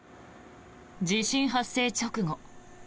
地震発生直後